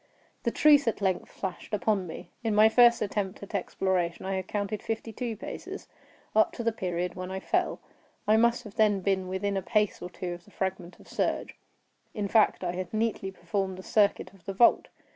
The truth at length flashed upon me. In my first attempt at exploration I had counted fifty two paces, up to the period when I fell; I must then have been within a pace or two of the fragment of serge; in fact, I had nearly performed the circuit of the vault.